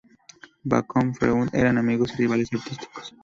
Bacon y Freud eran amigos y rivales artísticos.